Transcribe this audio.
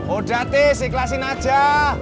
udah tis ikhlasin aja